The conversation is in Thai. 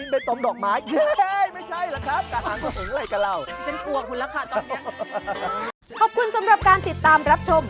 เป็นอะไรฮะ